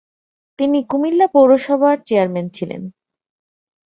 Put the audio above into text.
তিনি কুমিল্লা পৌরসভার চেয়ারম্যান ছিলেন।